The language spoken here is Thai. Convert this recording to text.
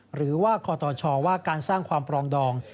หรือว่าคอตชว่าการสร้างความปรองดอง